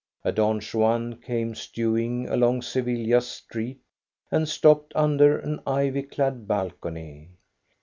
A Don Juan came stewing along Sevilla's street and stopped under an ivy clad balcony.